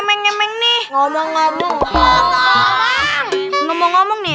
ternyata ini cuma kelinci